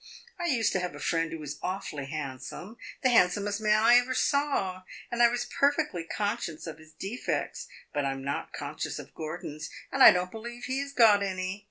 I used to have a friend who was awfully handsome the handsomest man I ever saw and I was perfectly conscious of his defects. But I 'm not conscious of Gordon's, and I don't believe he has got any.